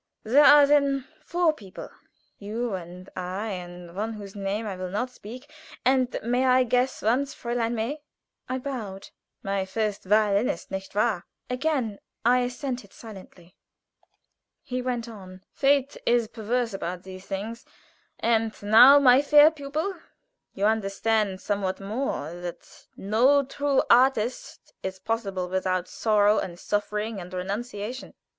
There are then four people you and I, and one whose name I will not speak, and may I guess once, Fräulein May?" I bowed. "My first violinist, nicht wahr?" Again I assented silently. He went on: "Fate is perverse about these things. And now, my fair pupil, you understand somewhat more that no true artist is possible without sorrow and suffering and renunciation.